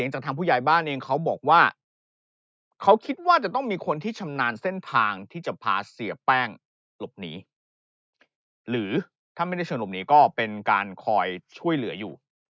หรือถ้าไม่ได้ชนมนี้ก็เป็นการคอยช่วยเหลืออยู่